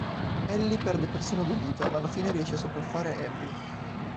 Ellie perde persino due dita ma alla fine riesce a sopraffare Abby.